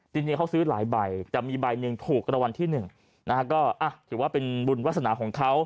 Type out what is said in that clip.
ทีนี้เขาซื้อหลายใบแต่มีใบหนึ่งถูกรางวัลที่หนึ่งนะฮะก็ถือว่าเป็นบุญวาสนาของเขา